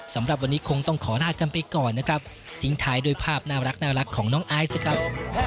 สำหรับวันนี้คงต้องขอลากันไปก่อนนะครับทิ้งท้ายด้วยภาพน่ารักของน้องไอซ์นะครับ